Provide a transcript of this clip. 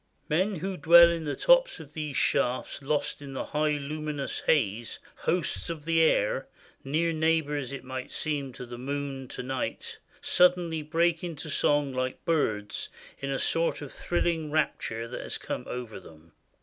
Men who dwell in the tops of those shafts lost in the high luminous haze, hosts of the air, near neighbors it might seem of the moon to night, suddenly break into song like birds, in a sort of thrilling rapture that has come over them.